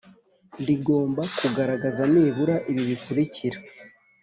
rigomba kugaragaza nibura ibi bikurikira